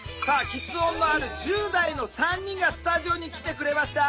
きつ音のある１０代の３人がスタジオに来てくれました。